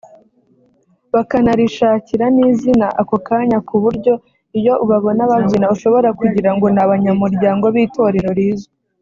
bakanarishakira n’izina ako kanya ku buryo iyo ubabona babyina ushobora kugira ngo ni abanyamuryango b’itorero rizwi